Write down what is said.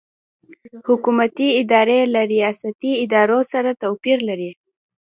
حکومتي ادارې له ریاستي ادارو سره توپیر لري.